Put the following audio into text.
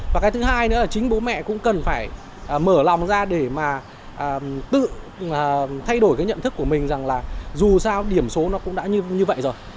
và cái thứ hai nữa là chính bố mẹ cũng cần phải mở lòng ra để mà tự thay đổi cái nhận thức của mình rằng là dù sao điểm số nó cũng đã như vậy rồi